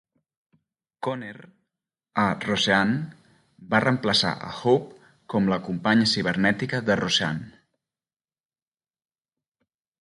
Conner, a "Roseanne", va reemplaçar a Hope com la companya cibernètica de Roseanne.